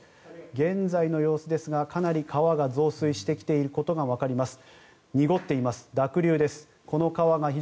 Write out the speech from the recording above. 現在の様子ですが川が増水してきていることがわかります。